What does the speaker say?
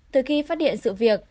từ khi phát hiện sự việc